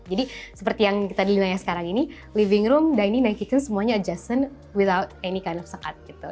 jadi seperti yang kita dilihatnya sekarang ini living room dining room dan kitchen semuanya adjusted without any kind of sekat gitu